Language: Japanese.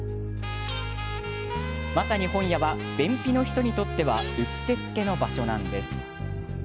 まさに本屋は便秘の人にとってはうってつけの場所なんです。